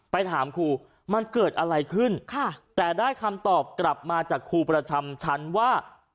ไปถามครูมันเกิดอะไรขึ้นค่ะแต่ได้คำตอบกลับมาจากครูประจำชั้นว่า